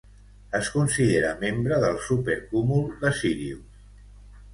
Es considera membre del supercúmul de Sírius.